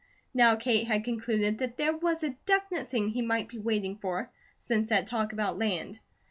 Now Kate had concluded that there was a definite thing he might be waiting for, since that talk about land.